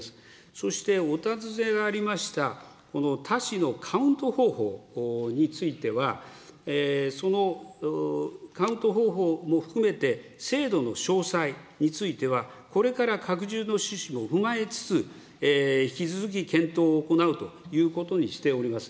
そして、お尋ねがありました、多子のカウント方法についてはそのカウント方法も含めて、制度の詳細については、これから拡充の趣旨を踏まえつつ、引き続き検討を行うということにしております。